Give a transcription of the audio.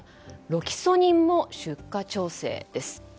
ロキソニンも出荷調整です。